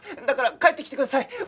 だから帰ってきてください。